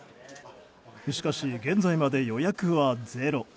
しかし、現在まで予約はゼロ。